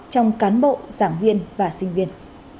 trong cán bộ giảng viên và sinh viên